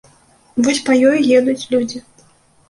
Вось па ёй едуць людзі.